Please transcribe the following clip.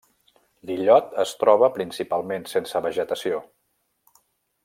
L'illot es troba principalment sense vegetació.